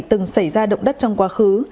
từng xảy ra động đất trong quá khứ